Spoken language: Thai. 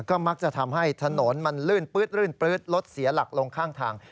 ก็มักจะทำให้ถนนมันลื่นปื๊ดลื่นรถเสียหลักลงข้างทาง